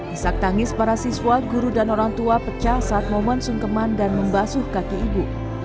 isak tangis para siswa guru dan orang tua pecah saat momen sungkeman dan membasuh kaki ibu